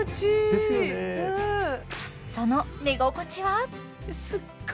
その寝心地は？